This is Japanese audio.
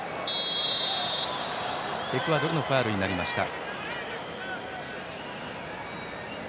エクアドルのファウルになりました。